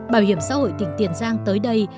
bảo hiểm xã hội tỉnh tiền giang tới đây